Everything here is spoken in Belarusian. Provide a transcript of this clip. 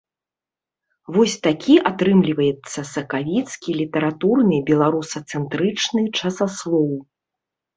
Вось такі атрымліваецца сакавіцкі літаратурны беларусацэнтрычны часаслоў.